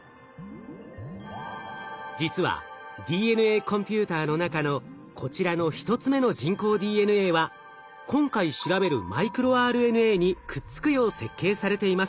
実はＤＮＡコンピューターの中のこちらの１つ目の人工ＤＮＡは今回調べるマイクロＲＮＡにくっつくよう設計されています。